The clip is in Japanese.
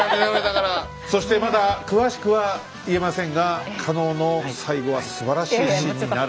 そしてまだ詳しくは言えませんが加納の最後はすばらしいシーンになる。